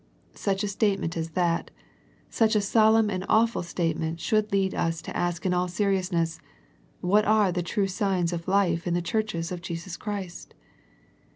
Such a statement as that, such a solemn and awful statement should lead us to ask in all seriousness. What are the true signs of life in the churches of Jesus Christ?